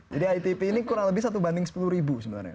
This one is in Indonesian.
itp ini kurang lebih satu banding sepuluh ribu sebenarnya